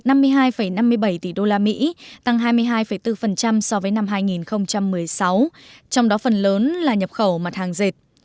tổng kim ngạch nhập khẩu diệt may toàn khối asean từ thế giới năm hai nghìn một mươi bảy đạt năm mươi hai năm mươi bảy tỷ đô la mỹ tăng hai mươi hai bốn so với năm hai nghìn một mươi sáu trong đó phần lớn là nhập khẩu mặt hàng diệt